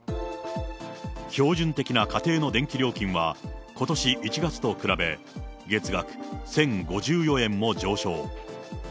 標準的な家庭の電気料金は、ことし１月と比べ、月額１０５４円も上昇。